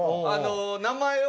名前を。